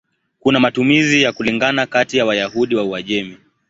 Kuna matumizi ya kulingana kati ya Wayahudi wa Uajemi.